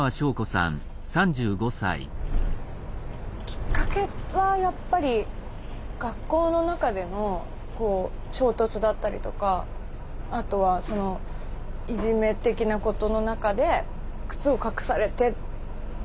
きっかけはやっぱり学校の中での衝突だったりとかあとはいじめ的なことの中で靴を隠されて。